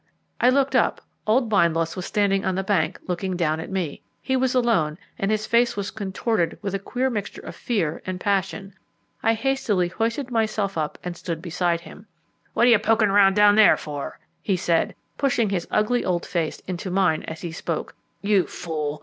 I looked up; old Bindloss was standing on the bank looking down at me. He was alone, and his face was contorted with a queer mixture of fear and passion. I hastily hoisted myself up, and stood beside him. "What are you poking about down there for?" he said, pushing his ugly old face into mine as he spoke. "You fool!